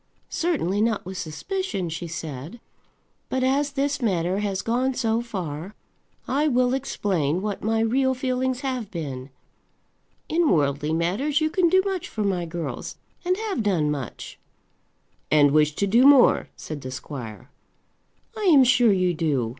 "Certainly not with suspicion," she said. "But as this matter has gone so far, I will explain what my real feelings have been. In worldly matters you can do much for my girls, and have done much." "And wish to do more," said the squire. "I am sure you do.